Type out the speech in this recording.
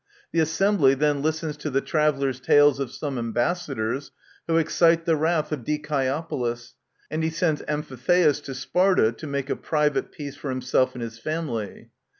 The assembly then listens to the travellers' tales of some ambassadors, who excite the wrath of Dicaeopolis, and he sends Amphitheiis to Sparta to make a private peace for himself and his family.